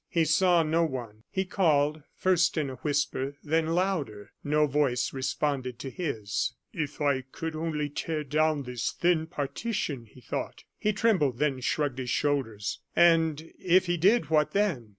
He saw no one. He called, first in a whisper, then louder. No voice responded to his. "If I could only tear down this thin partition," he thought. He trembled, then shrugged his shoulders. And if he did, what then?